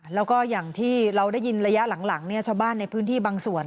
แล้วก็อย่างที่เราได้ยินระยะหลังชาวบ้านในพื้นที่บางส่วน